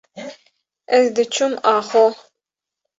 ez diçûm axo.